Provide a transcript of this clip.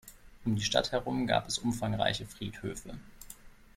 Um die Stadt herum gab es umfangreiche Friedhöfe.